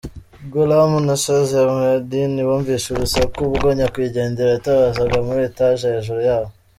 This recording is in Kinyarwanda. Ghulam na Shazia Mohyuddin bumvise urusaku ubwo nyakwigendera yatabazaga muri etaje hejuru yabo.